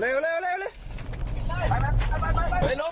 เฮ้ยหยุดหยุด